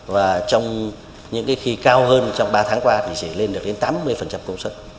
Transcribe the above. và trong những cái khi cao hơn trong ba tháng qua thì chỉ lên được đến tám mươi công suất